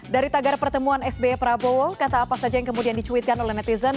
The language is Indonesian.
dari tagar pertemuan sby prabowo kata apa saja yang kemudian dicuitkan oleh netizen